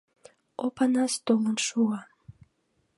Опанас толын шуо.